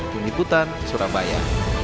juni putan surabaya